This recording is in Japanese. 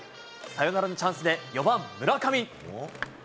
サヨナラのチャンスで４番、村上。